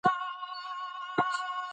که وخت تېر سي نو ټولنه بدلون مومي.